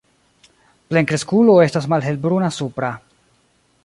Plenkreskulo estas malhelbruna supra.